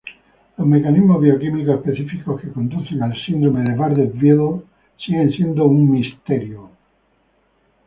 Los mecanismos bioquímicos específicos que conducen al síndrome de Bardet-Biedl siguen siendo un misterio.